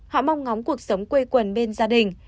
họ mong ngóng cuộc sống quê quần bên gia đình